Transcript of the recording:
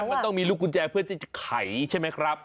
มันต้องมีลูกกุญแจเพื่อที่จะไขใช่ไหมครับ